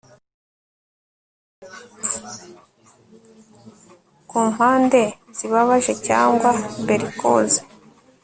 Ku mpande zibabaje cyangwa bellicose